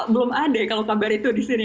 belum ada kalau kabar itu disini